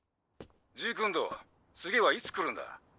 ジークンドー次はいつ来るんだ？